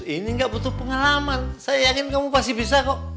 ini gak butuh pengalaman saya yakin kamu pasti bisa kok